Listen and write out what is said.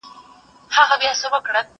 زه به د سبا لپاره د يادښتونه ترتيب کړي وي!؟